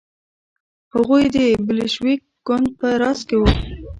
هغوی د بلشویک ګوند په راس کې وو.